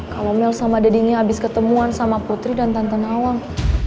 kalau mel sama dadinya abis ketemuan sama putri dan tante nawang